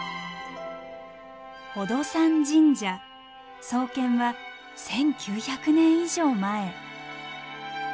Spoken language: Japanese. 宝登山神社創建は１，９００年以上前。